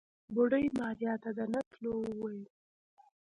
بوډۍ ماريا ته د نه تلو وويل.